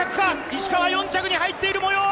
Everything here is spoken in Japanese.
石川、４着に入っているもよう！